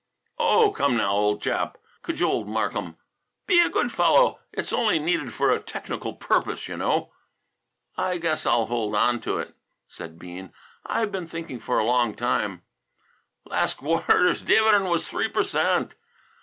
"Oh, come now, old chap," cajoled Markham, "Be a good fellow. It's only needed for a technical purpose, you know." "I guess I'll hold on to it," said Bean. "I've been thinking for a long time " "Last quarter's dividend was 3 per cent.